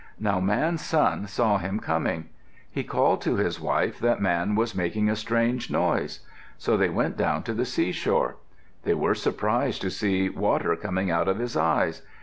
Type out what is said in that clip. Now Man's son saw him coming. He called to his wife that Man was making a strange noise. So they went down to the seashore. They were surprised to see water coming out of his eyes.